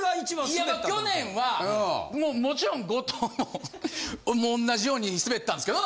いや去年はもちろん後藤の同じようにスベったんですけど。